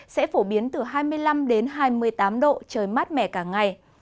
sẽ phổ biến từ hai mươi năm đến hai mươi tám độ trời mát mẻ cả ngày